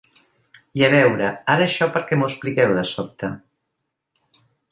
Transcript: I a veure, ara això per què m’ho expliqueu de sobte?